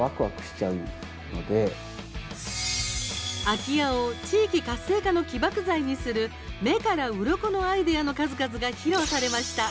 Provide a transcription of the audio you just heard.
空き家を地域活性化の起爆剤にする目からうろこのアイデアの数々が披露されました。